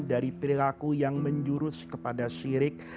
dari perilaku yang menjurus kepada syirik